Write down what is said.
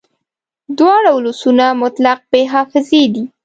دواړه ولسونه مطلق بې حافظې دي